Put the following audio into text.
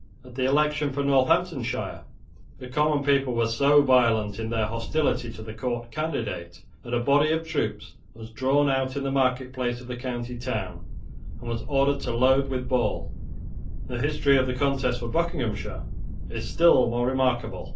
At the election for Northamptonshire the common people were so violent in their hostility to the court candidate that a body of troops was drawn out in the marketplace of the county town, and was ordered to load with ball. The history of the contest for Buckinghamshire is still more remarkable.